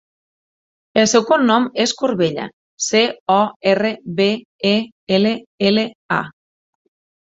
El seu cognom és Corbella: ce, o, erra, be, e, ela, ela, a.